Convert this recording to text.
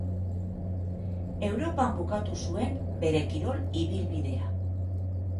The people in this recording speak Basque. Europan bukatu zuen bere kirol-ibilbidea.